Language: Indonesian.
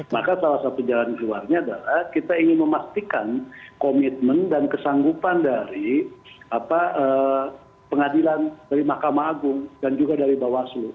maka salah satu jalan keluarnya adalah kita ingin memastikan komitmen dan kesanggupan dari pengadilan dari mahkamah agung dan juga dari bawaslu